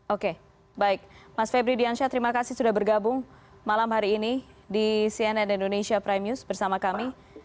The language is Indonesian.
oke baik mas febri diansyah terima kasih sudah bergabung malam hari ini di cnn indonesia prime news bersama kami